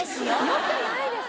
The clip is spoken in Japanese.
よくないです。